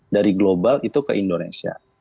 dari global itu ke indonesia